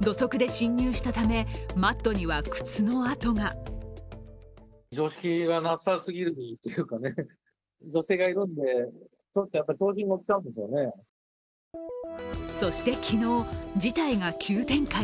土足で侵入したためマットには靴の跡がそして昨日、事態が急展開。